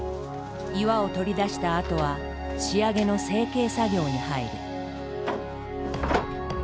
岩を取り出したあとは仕上げの成形作業に入る。